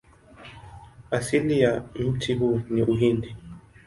Asili ya mti huu ni Uhindi.